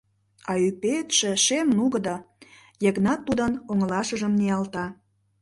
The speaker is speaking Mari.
А ӱпетше шем-нугыдо, — Йыгнат Тудын оҥылашыжым ниялта.